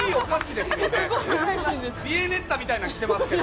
ビエネッタみたいの着てますけど。